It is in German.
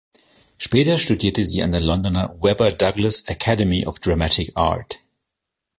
Später studierte sie an der Londoner "Webber Douglas Academy of Dramatic Art".